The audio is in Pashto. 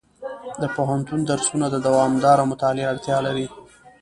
د پوهنتون درسونه د دوامداره مطالعې اړتیا لري.